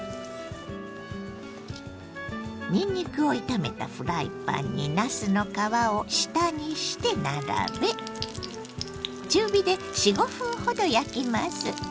にんにくを炒めたフライパンになすの皮を下にして並べ中火で４５分ほど焼きます。